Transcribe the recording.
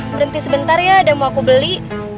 berhenti sebentar ya udah mau aku beli